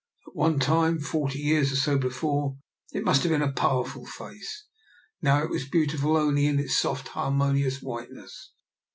At one time — forty years or so before — ^^it must have been a powerful face; now it was beautiful only in its soft, harmonious whiteness.